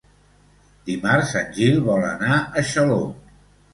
Dimarts en Gil vol anar a Xaló.